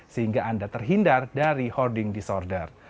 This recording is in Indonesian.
sehingga anda terhindar dari holding disorder